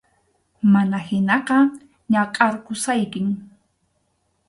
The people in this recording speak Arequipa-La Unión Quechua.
Mana hinaqa, nakʼarqusaykim.